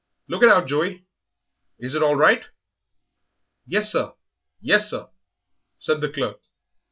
"Look it out, Joey. Is it all right?" "Yes, sir; yes, sir," said the clerk.